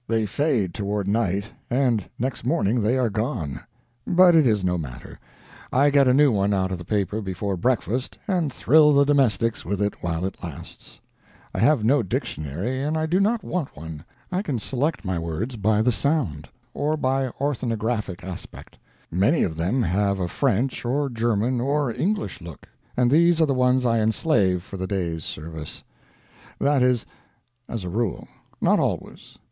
They fade toward night, and next morning they are gone. But it is no matter; I get a new one out of the paper before breakfast, and thrill the domestics with it while it lasts. I have no dictionary, and I do not want one; I can select words by the sound, or by orthographic aspect. Many of them have French or German or English look, and these are the ones I enslave for the day's service. That is, as a rule. Not always.